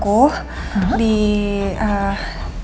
aku mau ambil paketan aku